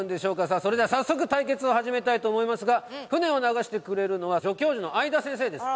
さあそれでは早速対決を始めたいと思いますが船を流してくれるのは助教授の相田先生です。